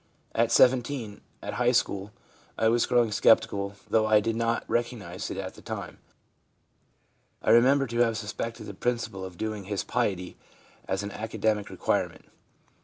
At 17, at high school, I was growing sceptical, though I did not recognise it at, the time. I remember to have suspected the principal of " doing " his piety as an academic re quirement.